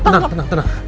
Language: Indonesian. tenang tenang tenang